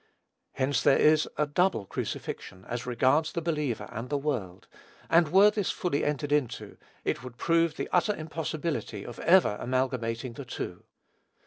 Hence there is a double crucifixion, as regards the believer and the world; and were this fully entered into, it would prove the utter impossibility of ever amalgamating the two.